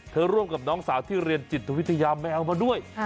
ร่วมกับน้องสาวที่เรียนจิตวิทยาแมวมาด้วย